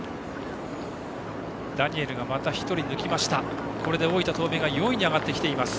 ダニエルがまた１人抜きました。